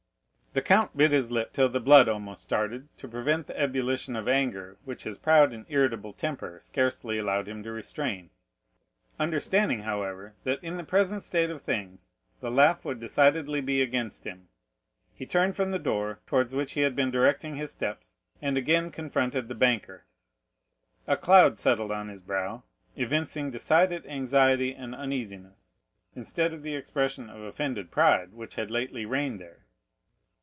The count bit his lips till the blood almost started, to prevent the ebullition of anger which his proud and irritable temper scarcely allowed him to restrain; understanding, however, that in the present state of things the laugh would decidedly be against him, he turned from the door, towards which he had been directing his steps, and again confronted the banker. A cloud settled on his brow, evincing decided anxiety and uneasiness, instead of the expression of offended pride which had lately reigned there.